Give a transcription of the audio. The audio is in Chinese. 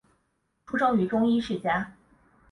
出生于中医世家。